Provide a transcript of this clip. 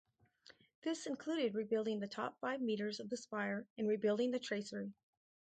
This included rebuilding the top five metres of the spire and rebuilding the tracery.